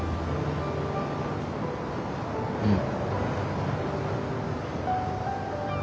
うん。